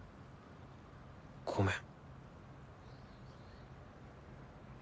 ごめん。